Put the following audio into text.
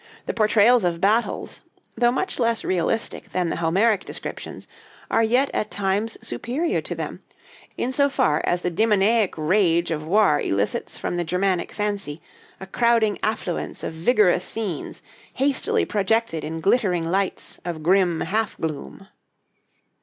The portrayals of battles, although much less realistic than the Homeric descriptions, are yet at times superior to them, in so far as the demoniac rage of war elicits from the Germanic fancy a crowding affluence of vigorous scenes hastily projected in glittering lights of grim half gloom."